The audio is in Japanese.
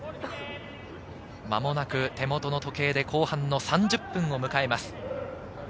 間もなく手元の時計で後半の３０分を迎えます。